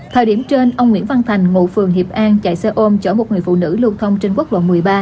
thời điểm trên ông nguyễn văn thành ngụ phường hiệp an chạy xe ôm chở một người phụ nữ lưu thông trên quốc lộ một mươi ba